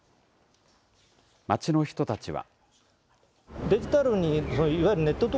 街の人たちは。